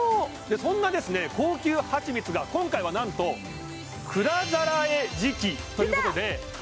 そんな高級蜂蜜が今回はなんと蔵ざらえ時期ということでやった！